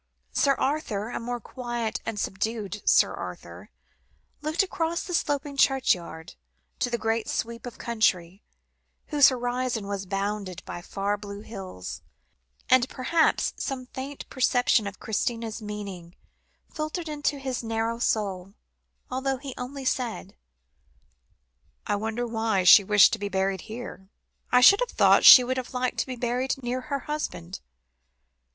Sir Arthur, a more quiet and subdued Sir Arthur, looked across the sloping churchyard to the great sweep of country, whose horizon was bounded by far blue hills, and perhaps some faint perception of Christina's meaning filtered into his narrow soul, although he only said: "I wonder why she wished to be buried here. I should have thought she would have liked to be near her husband."